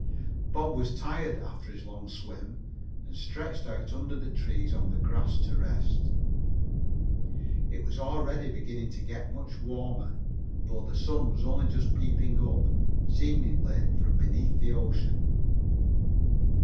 Bob was tired after his long swim and stretched out under the trees on the grass to rest. It was already beginning to get much warmer, though the sun was only just peeping up, seemingly from beneath the ocean.